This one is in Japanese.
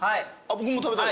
僕も食べたい。